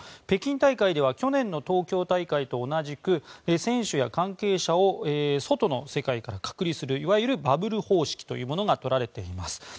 北京大会では去年の東京大会と同じく選手や関係者を外の世界から隔離するいわゆるバブル方式というものが取られています。